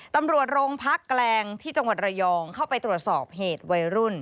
ตำรวจโรงพักแกลงที่จังหวัดระยองเข้าไปตรวจสอบเหตุวัยรุ่น